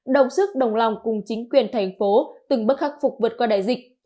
đồng sức đồng lòng cùng chính quyền thành phố từng bước khắc phục vượt qua đại dịch